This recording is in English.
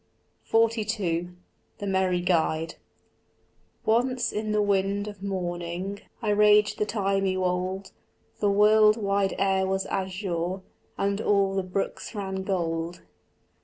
XLII THE MERRY GUIDE Once in the wind of morning I ranged the thymy wold; The world wide air was azure And all the brooks ran gold.